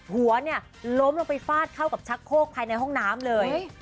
หัวเนี่ยล้มลงไปฟาดเข้ากับชักโคกภายในห้องน้ำเลย